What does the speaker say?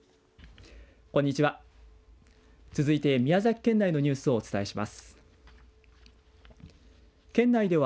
こんにちは。